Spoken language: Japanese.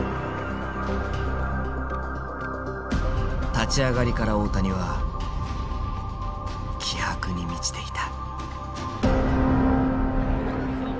立ち上がりから大谷は気迫に満ちていた。